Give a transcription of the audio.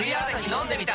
飲んでみた！